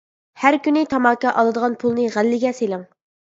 ھەر كۈنى تاماكا ئالىدىغان پۇلنى غەللىگە سېلىڭ.